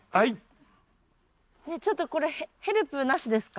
ねえちょっとこれヘルプなしですか？